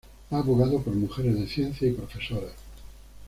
Ha abogado por mujeres de ciencia y profesoras.